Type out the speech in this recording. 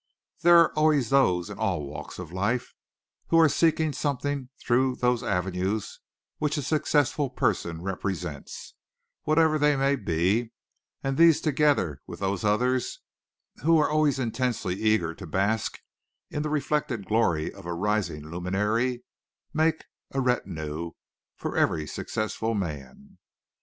There are always those in all walks of life who are seeking something through those avenues which a successful person represents, whatever they may be, and these together with those others who are always intensely eager to bask in the reflected glory of a rising luminary, make a retinue for every successful man.